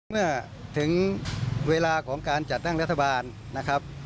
เมื่อถึงเวลาของการจัดตั้งรัฐบาลนะครับ